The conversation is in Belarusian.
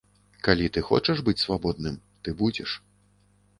Калі ты хочаш быць свабодным, ты будзеш.